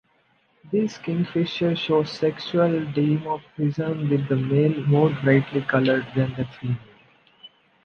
This kingfisher shows sexual dimorphism, with the male more brightly coloured than the female.